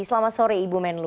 selamat sore ibu menlu